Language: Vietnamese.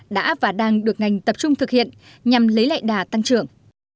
đã và đang được ngành tập trung thực hiện nhằm lấy lại đà tăng trưởng